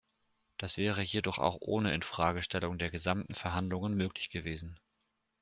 Das wäre jedoch auch ohne Infragestellung der gesamten Verhandlungen möglich gewesen.